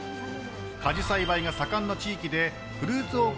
果樹栽培が盛んな地域でフルーツ王国